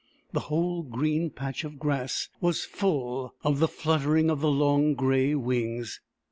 The whole green patch of grass was full of the fluttering of the long grey wings.